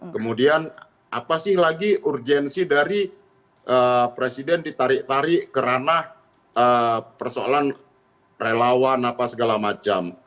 kemudian apa sih lagi urgensi dari presiden ditarik tarik kerana persoalan relawan apa segala macam